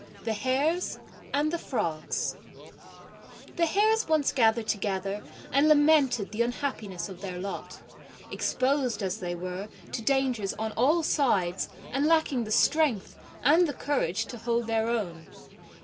THE HARES AND THE FROGS The Hares once gathered together and lamented the unhappiness of their lot, exposed as they were to dangers on all sides and lacking the strength and the courage to hold their own.